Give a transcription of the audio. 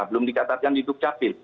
belum dicatatkan di dukcapil